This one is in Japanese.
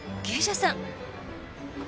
芸者さん！